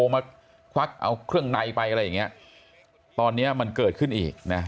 มาควักเอาเครื่องในไปอะไรอย่างเงี้ยตอนเนี้ยมันเกิดขึ้นอีกนะ